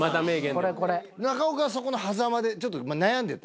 中岡そこのはざまでちょっと悩んでた？